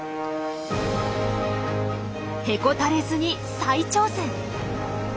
へこたれずに再挑戦。